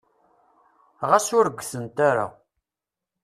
Ɣas ur gtent ara.